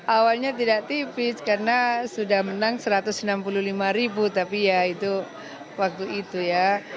awalnya tidak tipis karena sudah menang satu ratus enam puluh lima ribu tapi ya itu waktu itu ya